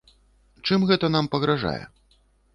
Чым гэта нам пагражае?